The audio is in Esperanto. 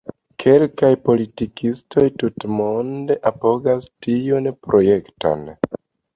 Kelkaj politikistoj tutmonde apogas tiun projekton.